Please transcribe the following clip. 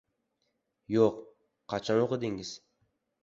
— Yo‘q, qachon o‘qidingiz?